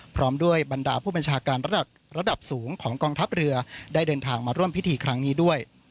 พร้อมด้วยบรรดาผู้บัญชาการระดับสูงของกองทัพเรือได้เดินทางมาร่วมพิธีครั้งนี้ด้วย